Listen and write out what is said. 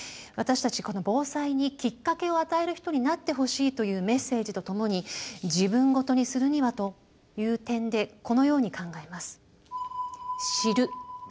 私たちこの防災にきっかけを与える人になってほしいというメッセージとともに自分ごとにするにはという点でこのように考えます。